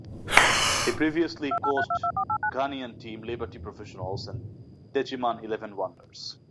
He previously coached Ghanaian team Liberty Professionals and Techiman Eleven Wonders.